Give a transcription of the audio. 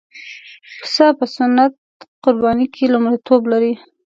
پسه په سنت قربانۍ کې لومړیتوب لري.